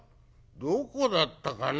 「どこだったかね